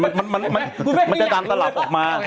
มันจะดันตลับออกมา